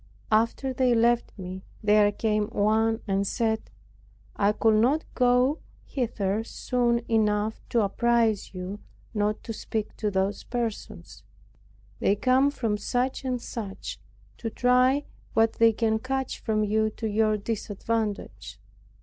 After they left me there came one and said, "I could not get hither soon enough to apprize you not to speak to those persons; they come from such and such, to try what they can catch from you to your disadvantage."